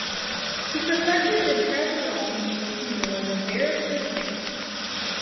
He perfected the tracheotomy cannula that bears his name.